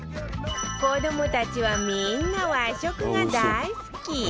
子どもたちはみんな和食が大好き